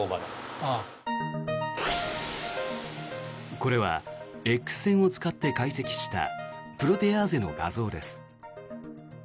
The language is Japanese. これはＸ線を使って解析したプロテアーゼの画像です。